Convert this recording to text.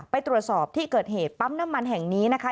ไปตรวจสอบที่เกิดเหตุปั๊มน้ำมันแห่งนี้นะคะ